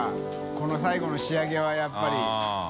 この最後の仕上げはやっぱり。